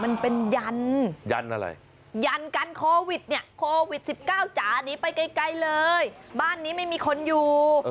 มันเป็นยันยันอะไรยันกันโควิดเนี่ยโควิด๑๙จ๋าหนีไปไกลเลยบ้านนี้ไม่มีคนอยู่